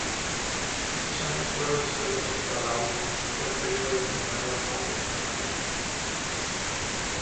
Estos años fueron históricos para la "U" y fue el periodo denominado "Ballet Azul".